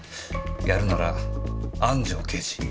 やるなら安城刑事。